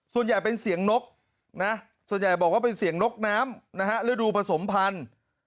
ส่วนใหญ่เป็นเสียงนกนะส่วนใหญ่บอกว่าเป็นเสียงนกน้ำนะฮะฤดูผสมพันธุ์